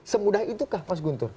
semudah itukah mas guntur